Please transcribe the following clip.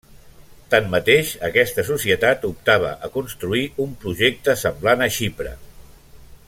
Tanmateix, aquesta societat optava a construir un projecte semblant a Xipre.